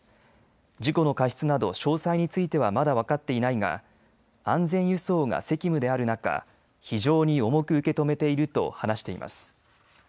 事故の過失など詳細についてはまだ分かっていないが安全輸送が責務である中非常に重く受け止めていると話しています。